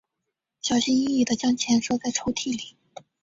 小心翼翼地将钱收在抽屉里